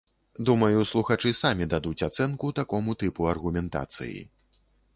Думаю, слухачы самі дадуць ацэнку такому тыпу аргументацыі.